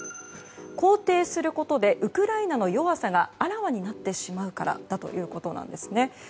肯定することでウクライナの弱さがあらわになってしまうからだということなんですね。